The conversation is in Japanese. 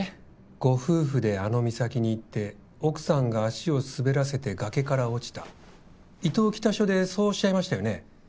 ご夫婦であの岬に行って奥さんが足を滑らせて崖から落ちた伊東北署でそうおっしゃいましたよね。